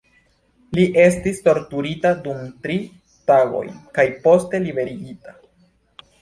Li estis torturita dum tri tagoj kaj poste liberigita.